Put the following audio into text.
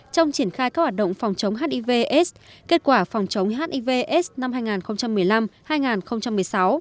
trong triển khai các hoạt động phòng chống hiv aids kết quả phòng chống hiv aids năm hai nghìn một mươi năm hai nghìn một mươi sáu